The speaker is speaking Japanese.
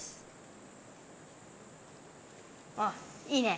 あいいね！